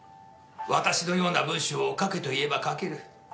私のような文章を書けと言えば書ける。